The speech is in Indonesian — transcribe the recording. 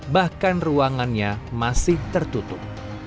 bahkan ruangannya masih tertutup